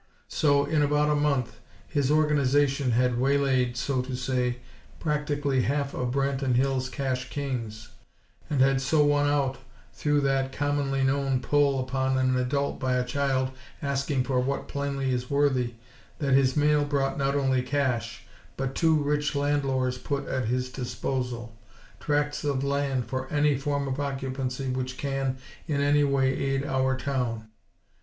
So, in about a month, his "Organization" had "waylaid," so to say, practically half of Branton Hills' cash kings; and had so won out, through that commonly known "pull" upon an adult by a child asking for what plainly is worthy, that his mail brought not only cash, but two rich landlords put at his disposal, tracts of land "for any form of occupancy which can, in any way, aid our town."